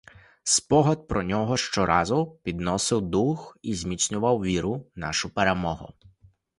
Спогад про нього щоразу підносив дух і зміцнював віру в нашу перемогу.